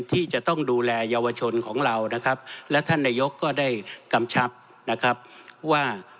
ที่จะต้องดูแลเยาวชนของเราและท่านนายก็ได้กำชับว่า